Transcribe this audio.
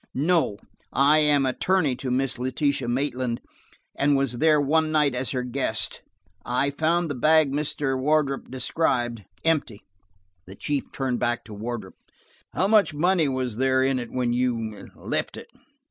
"No, I am attorney to Miss Letitia Maitland, and was there one night as her guest. I found the bag as Mr. Wardrop described, empty." The chief turned back to Wardrop. "How much money was there in it when you–left it